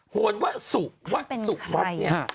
โหนวะสุกวะสุกวับเนี่ย